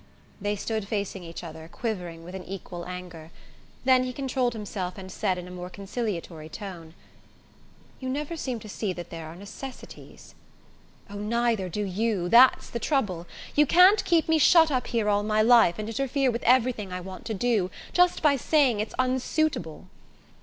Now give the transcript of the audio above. They stood facing each other, quivering with an equal anger; then he controlled himself and said in a more conciliatory tone: "You never seem to see that there are necessities " "Oh, neither do you that's the trouble. You can't keep me shut up here all my life, and interfere with everything I want to do, just by saying it's unsuitable."